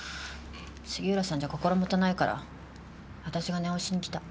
杉浦さんじゃ心もとないからあたしが念を押しに来た。